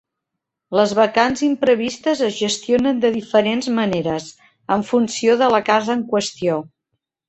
Les vacants imprevistes es gestionen de diferents maneres, en funció de la casa en qüestió.